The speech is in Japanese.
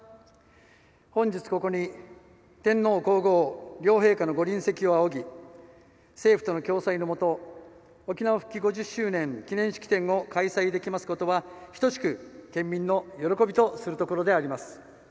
本日ここに、天皇皇后両陛下の御臨席を仰ぎ政府との共催のもと「沖縄復帰５０周年記念式典」を開催できますことはひとしく県民の喜びとするところであります。